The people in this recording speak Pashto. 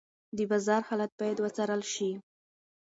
د بازار حالت باید وڅارل شي.